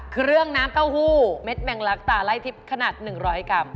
เครื่องน้ำเต้าหู้เม็ดแมงลักตาไล่ทิพย์ขนาด๑๐๐กรัม